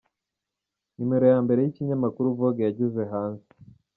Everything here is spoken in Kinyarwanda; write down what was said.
Numero ya mbere y’ikinyamakuru Vogue yageze hanze.